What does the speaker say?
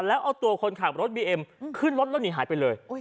แล้วเอาตัวคนขับรถบีเอ็มขึ้นรถแล้วหนีหายไปเลย